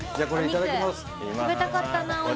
食べたかったなお